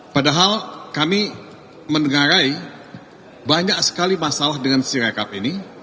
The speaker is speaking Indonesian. padahal kami mendengarai banyak sekali masalah dengan si rekap ini